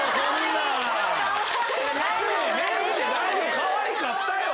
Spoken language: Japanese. かわいかったよ。